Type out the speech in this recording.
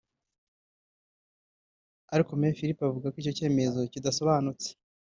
Ariko Me Philippe avuga ko icyo cyemezo kidasobanutse